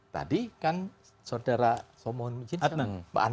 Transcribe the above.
tadi kan pak anand kan